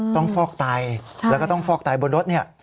ฟอกไตแล้วก็ต้องฟอกไตบนรถเนี่ย